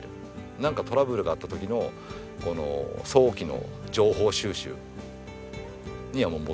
なんかトラブルがあった時の早期の情報収集にはもってこいなんで。